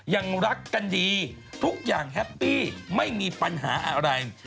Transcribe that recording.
ยังรักกันดีทุกอย่างแฮปปี้ไม่มีปัญหาอะไร